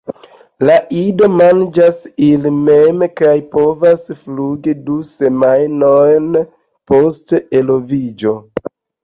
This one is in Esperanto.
La idoj manĝas ili mem kaj povas flugi du semajnojn post eloviĝo.